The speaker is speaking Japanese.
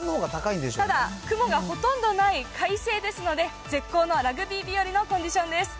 ただ雲がほとんどない快晴ですので、絶好のラグビー日和のコンディションです。